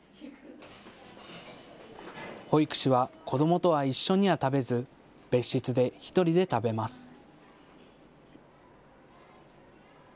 保育士は子どもとは一緒には食べず、別室で１人で食べます。